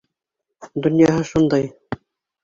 Донъяһы шундай.